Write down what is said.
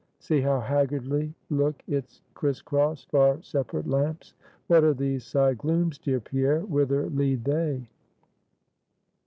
See how haggardly look its criss cross, far separate lamps. What are these side glooms, dear Pierre; whither lead they?"